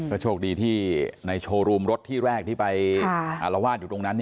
ก็โชคดีที่ในโชว์รูมรถที่แรกที่ไปอารวาสอยู่ตรงนั้น